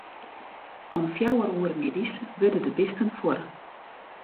Om fjouwer oere middeis wurde de bisten fuorre.